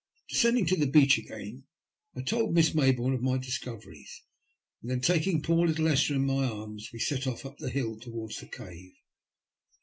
Descending to the beach again, I told Miss 160 THE LUST OF HATS. Mayboume of my discoverieSi and then taking poor little Esther in my arms we set off up the hill towards the cave.